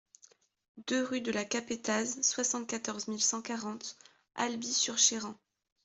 deux rue de la Capetaz, soixante-quatorze mille cinq cent quarante Alby-sur-Chéran